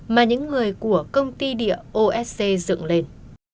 mà những người của công ty địa osc dựng lên